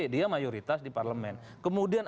dia mayoritas di parlemen kemudian